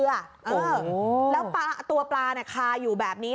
เออแล้วตัวปลาคาอยู่แบบนี้